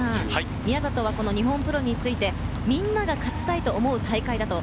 宮里はこの日本プロについて、みんなが勝ちたいと思う大会だと。